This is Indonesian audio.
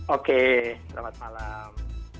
oke selamat malam